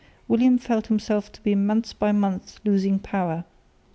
William felt himself to be month by month losing power.